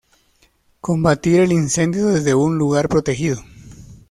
Combatir el incendio desde un lugar protegido.